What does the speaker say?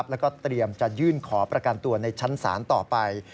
แล้วก็เตรียมจะยื่นขอประกันตัวในชั้นศาลต่อไป